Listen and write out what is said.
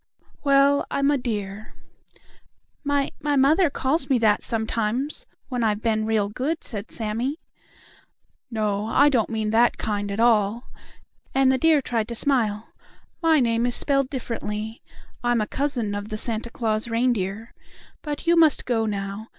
"Well, I'm a deer." "My my mother calls me that, sometimes, when I've been real good," said Sammie. "No, I don't mean that kind at all," and the deer tried to smile. "My name is spelled differently. I'm a cousin of the Santa Claus reindeer. But you must go now.